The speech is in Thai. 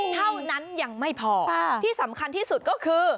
เท่านั้นยังไม่พอที่สำคัญที่สุดก็คือ